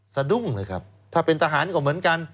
สะดุ้งเลยครับถ้าเป็นทหารก็เหมือนกัน